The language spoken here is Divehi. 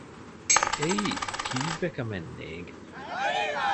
އެއީ ކީއްވެ ކަމެއް ނޭނގެ